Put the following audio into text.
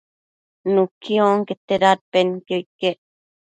nuqui onquete dadpenquio iquec